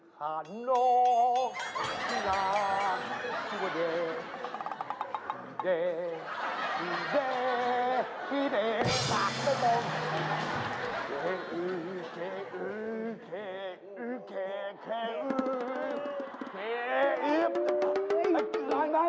หล่านพระเปล่าไหมสุดแล้ว